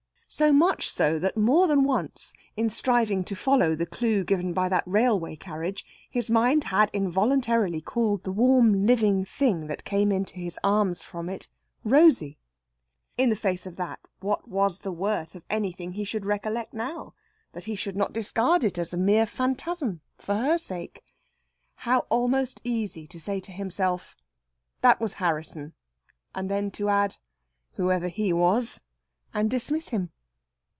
So much so that more than once, in striving to follow the clue given by that railway carriage, his mind had involuntarily called the warm living thing that came into his arms from it "Rosey." In the face of that, what was the worth of anything he should recollect now, that he should not discard it as a mere phantasm, for her sake? How almost easy to say to himself, "that was Harrisson," and then to add, "whoever he was," and dismiss him.